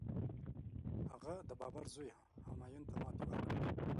هغه د بابر زوی همایون ته ماتي ورکړه.